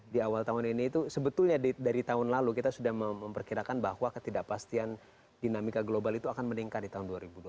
di awal tahun ini itu sebetulnya dari tahun lalu kita sudah memperkirakan bahwa ketidakpastian dinamika global itu akan meningkat di tahun dua ribu dua puluh satu